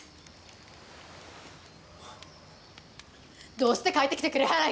どうして、帰ってきてくれはら